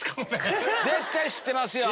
絶対知ってますよ。